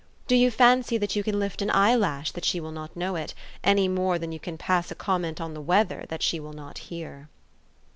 Do you fancy that you can lift an eyelash that she will not know it, any more than you can pass a com ment on the weather that she will not hear